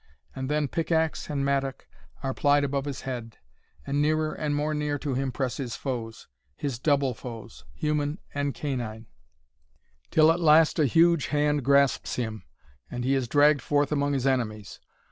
And then pickaxe and mattock are plied above his head, and nearer and more near to him press his foes,—his double foes, human and canine,—till at last a huge hand grasps him, and he is dragged forth among his enemies.